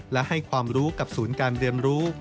และให้ความรู้กับศูนย์การเรียนรู้